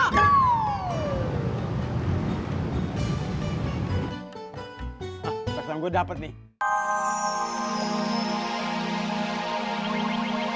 hah persenam gua dapet nih